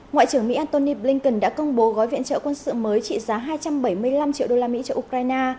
ngoại trưởng mỹ antony blinken đã công bố gói viện trợ quân sự mới trị giá hai trăm bảy mươi năm triệu đô la mỹ cho ukraine